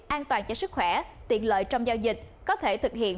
an toàn cho sức khỏe tiện lợi trong giao dịch có thể thực hiện